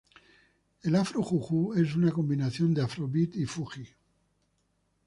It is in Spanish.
El afro-jújù es una combinación de afrobeat y fuji.